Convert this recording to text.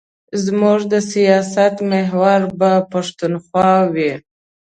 زموږ د سیاست محور به پښتونخوا وي.